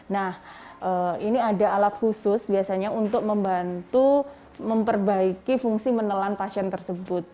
nah ini ada alat khusus biasanya untuk membantu memperbaiki fungsi menelan pasien tersebut